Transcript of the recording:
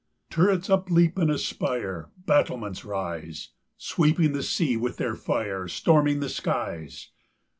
Turrets upleap and aspire, Battlements rise Sweeping the sea with their fire, Storming the skies.